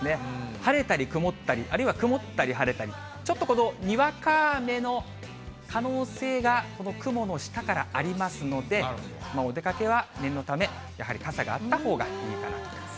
晴れたり曇ったり、あるいは曇ったり晴れたり、ちょっとこのにわか雨の可能性が、この雲の下からありますので、お出かけは念のため、やはり傘があったほうがいいかなという感じです。